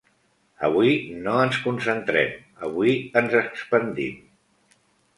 Avui no ens concentrem, avui ens expandim.